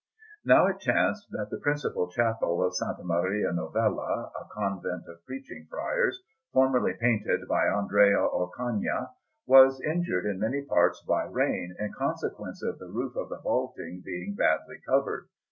Now it chanced that the principal chapel of S. Maria Novella (a convent of Preaching Friars), formerly painted by Andrea Orcagna, was injured in many parts by rain in consequence of the roof of the vaulting being badly covered.